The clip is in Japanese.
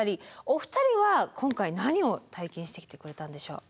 お二人は今回何を体験してきてくれたんでしょう。